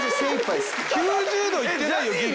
９０度いってないよぎり。